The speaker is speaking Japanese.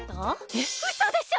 えっうそでしょ？